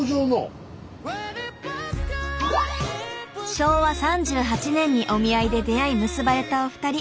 昭和３８年にお見合いで出会い結ばれたお二人。